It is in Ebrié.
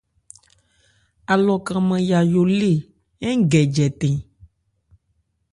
Alɔ kranman Yayó lée ń gɛ jɛtɛ̂n.